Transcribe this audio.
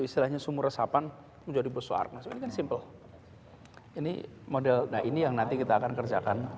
misalnya sumur resapan menjadi besok simple ini model nah ini yang nanti kita akan kerjakan